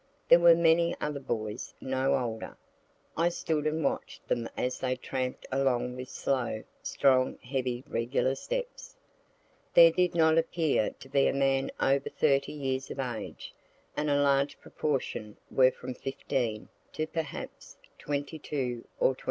There were many other boys no older. I stood and watch'd them as they tramp'd along with slow, strong, heavy, regular steps. There did not appear to be a man over 30 years of age, and a large proportion were from 15 to perhaps 22 or 23.